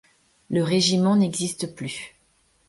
Le régiment n'existe plus.